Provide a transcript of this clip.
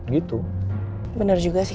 gitu bener juga sih